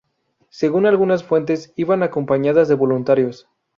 Según algunas fuentes iban acompañadas de voluntarios.